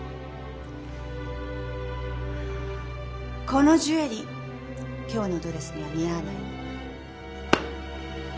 このジュエリー今日のドレスには似合わないわ。